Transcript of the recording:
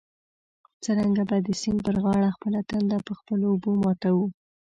څرنګه به د سیند پر غاړه خپله تنده په خپلو اوبو ماتوو.